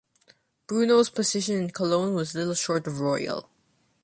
Bruno's position in Cologne was little short of royal.